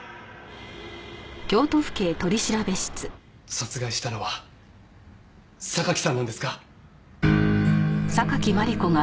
殺害したのは榊さんなんですか？